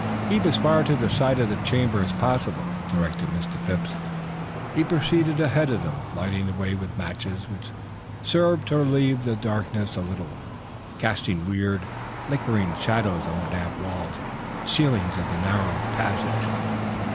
"Keep as far to the side of this chamber as possible," directed Mr. Phipps. He proceeded ahead of them, lighting the way with matches, which served to relieve the darkness a little, casting weird, flickering shadows on the damp walls and ceiling of the narrow passage.